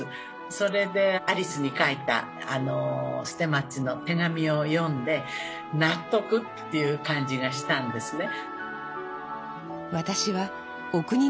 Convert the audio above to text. それでアリスに書いた捨松の手紙を読んで納得っていう感じがしたんですね。